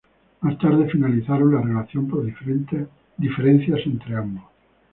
Más tarde finalizaron la relación por diferencias entre ambos.